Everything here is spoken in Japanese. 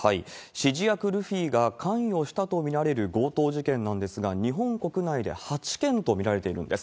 指示役、ルフィが関与したと見られる強盗事件なんですが、日本国内で８件と見られているんです。